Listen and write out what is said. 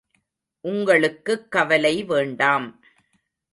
உங்களுக்குக் கவலை வேண்டாம்.